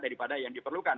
daripada yang diperlukan